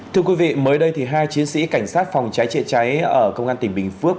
thưa quý vị mới đây hai chiến sĩ cảnh sát phòng cháy chữa cháy ở công an tỉnh bình phước